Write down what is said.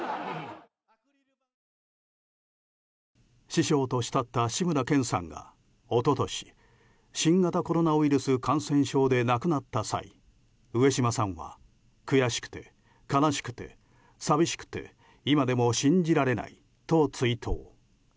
師匠と慕った志村けんさんが一昨年、新型コロナウイルス感染症で亡くなった際上島さんは悔しくて悲しくて寂しくて今でも信じられないと追悼。